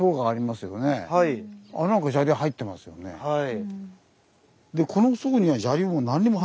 はい。